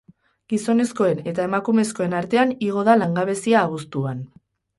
Gizonezkoen eta emakumezkoen artean igo da langabezia abuztuan.